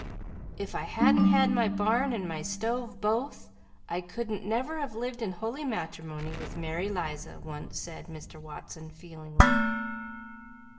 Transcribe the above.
"If I hadn't had my barn and my store BOTH, I couldn't never have lived in holy matrimony with Maryliza!" once said Mr. Watson feelingly.